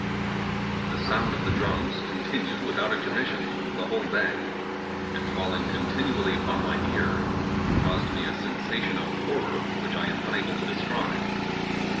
The sound of the drums continued without intermission the whole day, and falling continually upon my ear, caused me a sensation of horror which I am unable to describe.